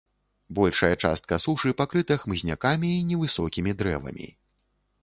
Большая частка сушы пакрыта хмызнякамі і невысокімі дрэвамі.